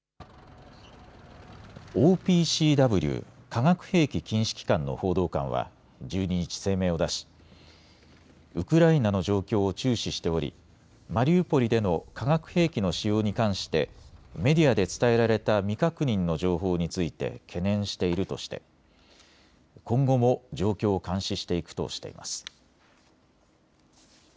ＯＰＣＷ・化学兵器禁止機関の報道官は１２日、声明を出しウクライナの状況を注視しておりマリウポリでの化学兵器の使用に関してメディアで伝えられた未確認の情報について懸念しているとして今後も状況を監視していくとしています。